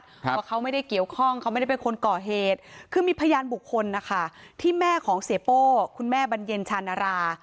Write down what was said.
เพราะเขาไม่ได้เกี่ยวข้องเขาไม่ได้เป็นคนก่อเหตุคือมีพยานบุคคลนะคะที่แม่ของเสียโป้คุณแม่บรรเย็นชานารา